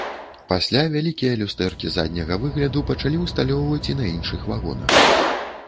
Пасля вялікія люстэркі задняга выгляду пачалі ўсталёўваць і на іншых вагонах.